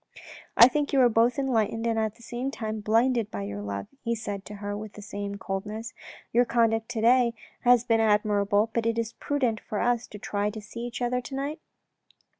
" I think you are both enlightened and at the same time blinded by your love," he said to her with some coldness. " Your conduct to day has been admirable, but is it prudent for us to try and see each other to night?